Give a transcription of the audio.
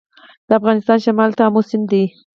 د افغانستان شمال ته امو سیند دی